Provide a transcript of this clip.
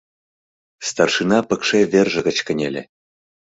Старшина пыкше верже гыч кынеле.